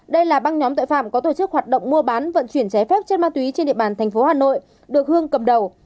đây là băng nhóm tội phạm có tổ chức hoạt động mua bán vận chuyển trái phép chất ma túy trên địa bàn thành phố hà nội được hương cầm đầu